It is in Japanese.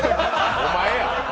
お前や！